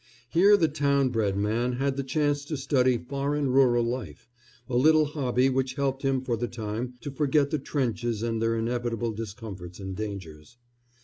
Here the town bred man had the chance to study foreign rural life, a little hobby which helped him for the time to forget the trenches and their inevitable discomforts and dangers.